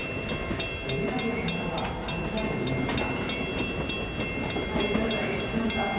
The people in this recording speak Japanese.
お目当てのものは買えたといいますが。